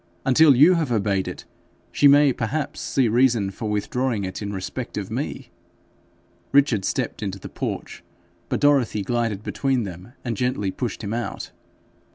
Until you have obeyed it, she may perhaps see reason for withdrawing it in respect of me.' Richard stepped into the porch, but Dorothy glided between them, and gently pushed him out.